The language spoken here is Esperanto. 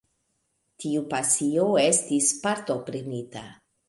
Tiu pasio estis partoprenita.